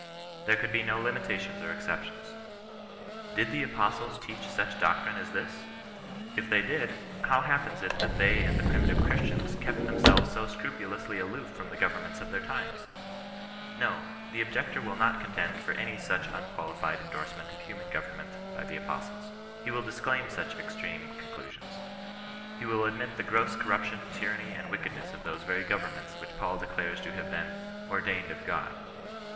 There could be no limitations or exceptions. Did the apostles teach such doctrine as CHBISTIAN NON BESISTANCE. 65 this ? If they did, how happens it that they and the primitive Chnstians kept themselves so scrupulously aloof from the governments of their times ? No : the objector will not contend for any such unqualified en dorsement of human government by the apostles. He will disclaim such extreme conclusions. He will admit the gross corruption, tyranny, and wickedness of those very governments which Paul declares to have been " ordained of God."